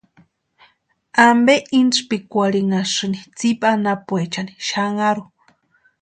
¿Ampe intspikwarhinhasïni tsipa anapuechani xanharu?